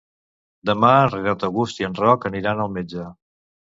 Demà en Renat August i en Roc aniran al metge.